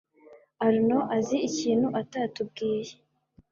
Arnaud azi ikintu atatubwiye.